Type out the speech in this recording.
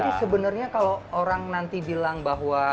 jadi sebenarnya kalau orang nanti bilang bahwa